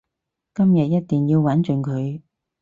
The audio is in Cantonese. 今日一定要玩盡佢